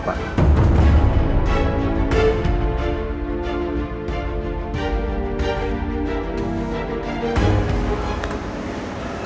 bapak bisa mengambil hak asuh sepenuhnya terhadap rena anak bapak